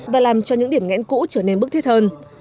và làm cho những điểm ngẽn cũ trở nên bức thiết hơn